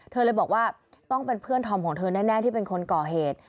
เธอเลยบอกว่าต้องเป็นเพื่อนธอมของเธอแน่ที่เป็นคนก่อเหตุ